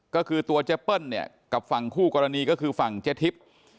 ก็คือตัวเจ๊เปิ้ลเนี่ยกับฝั่งคู่กรณีก็คือฝั่งเจ๊ทิพย์